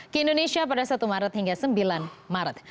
ke indonesia pada satu maret hingga sembilan maret